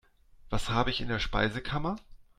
Was habe ich in der Speisekammer?